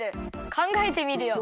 かんがえてみるよ。